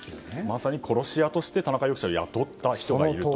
まさに殺し屋として田中容疑者を雇った人がいると。